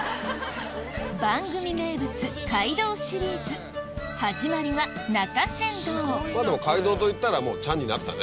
番組名物街道シリーズ始まりは街道といったらもうチャンになったね。